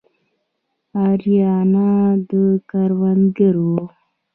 ارایایان کروندګر وو.